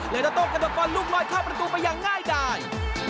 และระโตกัดกอนลูกลอยเข้าประตูไปอย่างง่ายดาย